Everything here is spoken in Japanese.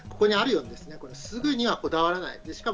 ここにあるように、すぐにはこだわらない。